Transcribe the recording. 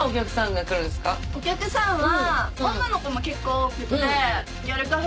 お客さんは。